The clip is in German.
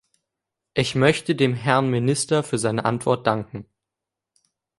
Ich möchten dem Herrn Minister für seine Antwort danken.